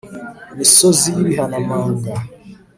misozi y'ibihanamanga